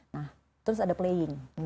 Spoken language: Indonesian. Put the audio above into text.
nah terus ada playing